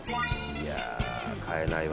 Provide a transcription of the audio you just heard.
いやあ、買えないわ。